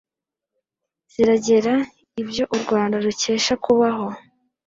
zirengera ibyo u rwanda rukesha kubaho